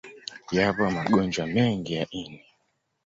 Yapo magonjwa mengi ya ini.